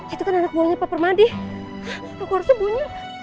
itu kan anak buahnya pak permadi aku harus bunyi